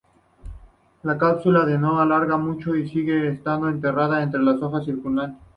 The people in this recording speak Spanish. La cápsula no alarga mucho, y sigue estando enterrada entre las hojas circundantes.